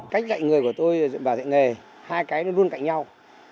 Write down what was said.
cách dạy người của tôi và dạy nghề hai cái luôn cạnh nhau